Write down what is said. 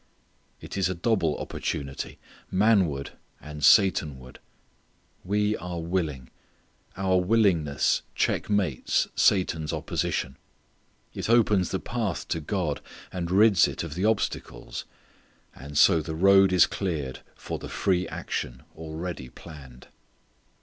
It is a double opportunity: manward and Satanward. We are willing. Our willingness checkmates Satan's opposition. It opens the path to God and rids it of the obstacles. And so the road is cleared for the free action already planned.